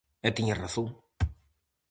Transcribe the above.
E tiña razón.